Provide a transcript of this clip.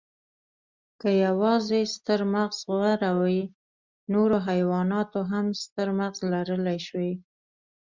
که یواځې ستر مغز غوره وی، نورو حیواناتو هم ستر مغز لرلی شوی.